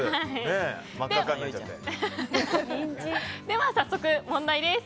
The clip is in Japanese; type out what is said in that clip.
では早速、問題です。